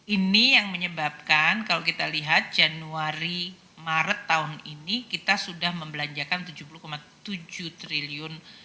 ini yang menyebabkan kalau kita lihat januari maret tahun ini kita sudah membelanjakan rp tujuh puluh tujuh triliun